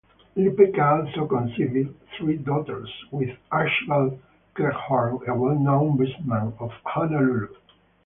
Lepeka also conceived three daughters with Archibald Cleghorn, a well-known businessman of Honolulu.